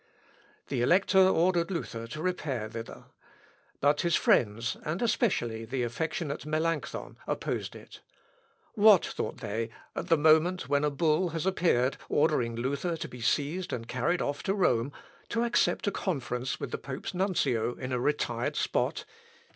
The Elector ordered Luther to repair thither. But his friends, and especially the affectionate Melancthon, opposed it. "What, thought they, at the moment when a bull has appeared ordering Luther to be seized and carried off to Rome, to accept a conference with the pope's nuncio in a retired spot!